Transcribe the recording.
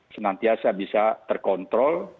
senantiasa bisa terkontrol